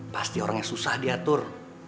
pasti orang yang susah diatur